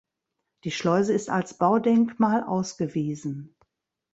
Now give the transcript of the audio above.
Die Schleuse ist als Baudenkmal ausgewiesen.